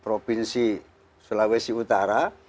provinsi sulawesi utara